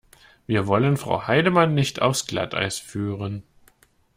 Wir wollen Frau Heidemann nicht aufs Glatteis führen.